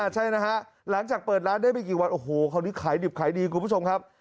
ใช่นะฮะหลังจากเปิดร้านได้ไม่กี่วันโอ้โหคราวนี้ขายดิบขายดีคุณผู้ชมครับ